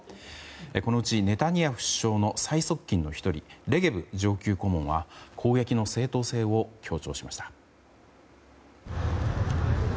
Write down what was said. このうちネタニヤフ首相の最側近の１人レゲブ上級顧問は攻撃の正当性を強調しました。